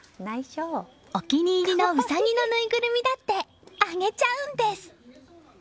お気に入りのウサギのぬいぐるみだってあげちゃうんです。